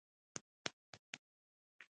روباه پنیر واخیست او له هغه ځایه وتښتید.